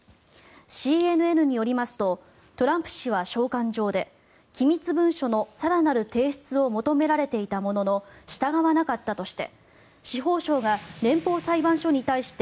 ＣＮＮによりますとトランプ氏は召喚状で機密文書の更なる提出を求められていたものの従わなかったとして司法省が連邦裁判所に対して